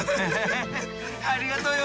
ありがとうよ！